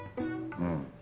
うん。